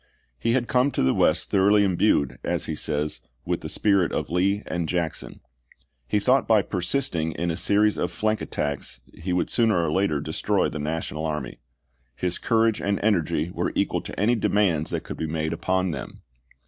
He had come to the West thoroughly imbued, as he says, with the spirit of Lee and Jackson. He thought by persisting in a series of flank attacks he would sooner or later de stroy the National army. His courage and energy were equal to any demands that could be made upon them.